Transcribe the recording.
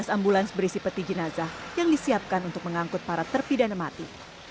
dua belas ambulans berisi peti jenazah yang disiapkan untuk mengangkut para terpidana mati